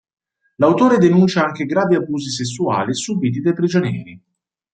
L'autore denuncia anche gravi abusi sessuali subiti dai prigionieri.